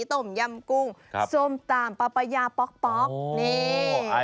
ถมยำกุ้งส้มตำปาปะยาป๊กนเน่